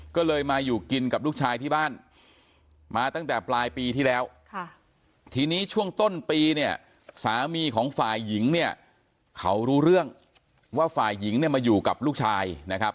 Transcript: ก็เลยมาอยู่กินกับลูกชายที่บ้านมาตั้งแต่ปลายปีที่แล้วทีนี้ช่วงต้นปีเนี่ยสามีของฝ่ายหญิงเนี่ยเขารู้เรื่องว่าฝ่ายหญิงเนี่ยมาอยู่กับลูกชายนะครับ